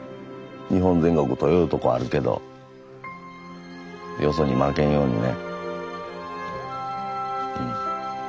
日本全国取りよるとこあるけどよそに負けんようにねうん。